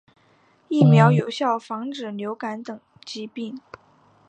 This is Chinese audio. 疫苗有效防止流感等疾病。